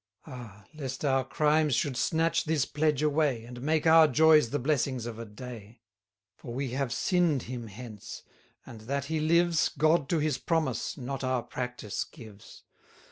290 Ah! lest our crimes should snatch this pledge away, And make our joys the blessings of a day! For we have sinn'd him hence, and that he lives, God to his promise, not our practice gives.